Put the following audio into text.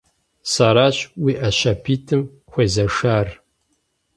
Сэращ уи Ӏэ щабитӀым хуезэшар.